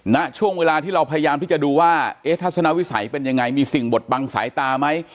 ณช่วงเวลาที่เราพยายามที่จะดูว่าเอ๊ะทัศนวิสัยเป็นยังไงมีสิ่งบดบังสายตาไหม